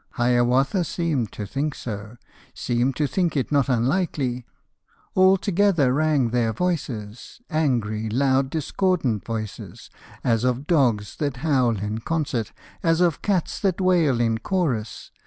(Hiawatha seemed to think so, Seemed to think it not unlikely). All together rang their voices, Angry, loud, discordant voices, As of dogs that howl in concert, As of cats that wail in chorus.